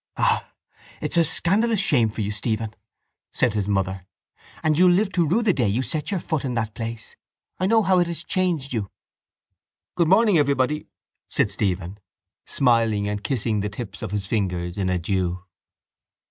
—Ah, it's a scandalous shame for you, Stephen, said his mother, and you'll live to rue the day you set your foot in that place. I know how it has changed you. —Good morning, everybody, said Stephen, smiling and kissing the tips of his fingers in adieu.